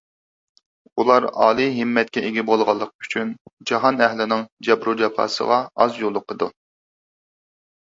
ئۇلار ئالىي ھىممەتكە ئىگە بولغانلىقى ئۈچۈن، جاھان ئەھلىنىڭ جەبرۇ جاپاسىغا ئاز يولۇقىدۇ.